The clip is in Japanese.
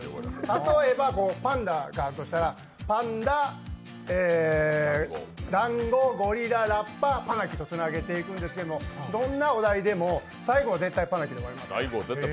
例えば、パンダがあるとしたら、パンダ、ダンゴ、ゴリラ、ラッパ、パナキとつなげていくんですけど、どんなお題でも最後は絶対パナキで終わります。